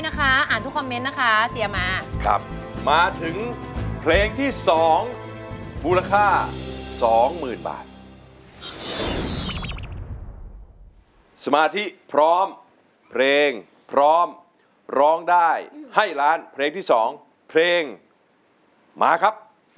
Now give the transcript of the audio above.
เอาล่ะถ้าอย่างนั้นแผ่นที่๑ถึงแผ่นที่๖นะครับ